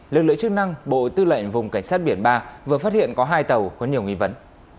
lực lượng chức năng bộ tư lệnh vùng cảnh sát biển ba vừa phát hiện có hai tàu có nhiều nghi vấn